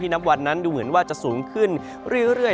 นับวันนั้นดูเหมือนว่าจะสูงขึ้นเรื่อย